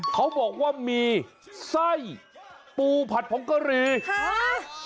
เขาบอกว่ามีไส้ปูผัดผงกะหรี่ค่ะ